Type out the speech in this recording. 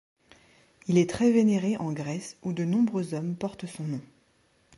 Il est très vénéré en Grèce où de nombreux hommes portent son nom.